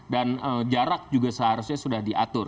dan jarak juga seharusnya sudah diatur